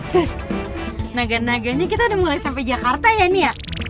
s naga naganya kita udah mulai sampai jakarta ya ini ya